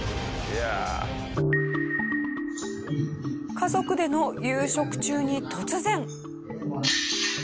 家族での夕食中に突然。